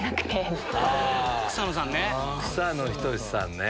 草野さんね。